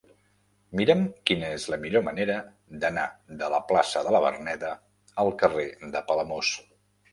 Mira'm quina és la millor manera d'anar de la plaça de la Verneda al carrer de Palamós.